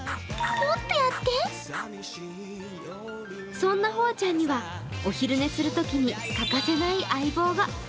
そんなほあちゃんにはお昼寝するときに欠かせない相棒が。